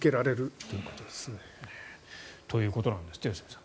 ということなんですって良純さん。